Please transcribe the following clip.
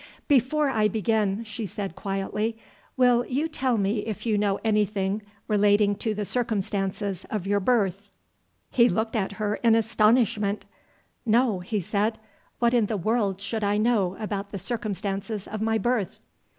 "Before I begin," she said quietly, "will you tell me if you know anything relating to the circumstances of your birth?" [Illustration: "THE WOMAN PLACED HERSELF IN HIS WAY."] He looked at her in astonishment. "No," he said. "What in the world should I know about the circumstances of my birth?"